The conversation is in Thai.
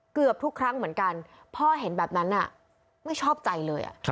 เกือบทุกครั้งเหมือนกันพ่อเห็นแบบนั้นไม่ชอบใจเลย